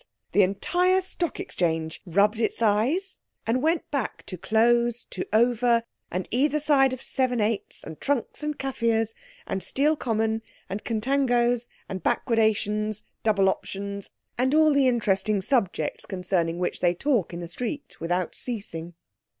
The entire Stock Exchange rubbed its eyes and went back to close, to over, and either side of seven eights, and Trunks, and Kaffirs, and Steel Common, and Contangoes, and Backwardations, Double Options, and all the interesting subjects concerning which they talk in the Street without ceasing.